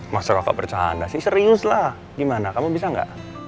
masyarakat bercanda sih serius lah gimana kamu bisa nggak